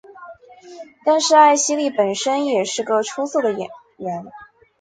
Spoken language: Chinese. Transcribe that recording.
但是艾希莉本身也是个出色的演员。